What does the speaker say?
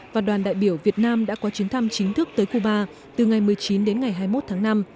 và đoàn đại biểu việt nam đã có chuyến thăm chính thức tới cuba từ ngày một mươi chín đến ngày hai mươi một tháng năm